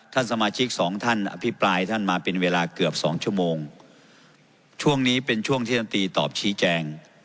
ท่านสมาชิกสองท่านอภิปรายท่านมาเป็นเวลาเกือบสองชั่วโมงช่วงนี้เป็นช่วงที่ท่านตีตอบชี้แจง